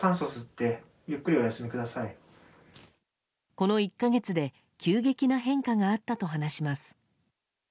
この１か月で急激な変化があったと話します。